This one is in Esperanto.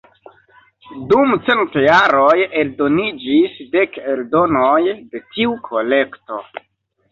Dum cent jaroj eldoniĝis dek eldonoj de tiu kolekto.